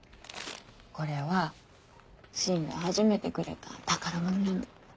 これは芯が初めてくれた宝物なの。